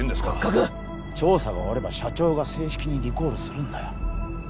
ハッカク調査が終われば社長が正式にリコールするんだよ